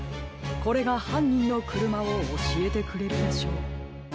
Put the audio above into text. これがはんにんのくるまをおしえてくれるでしょう。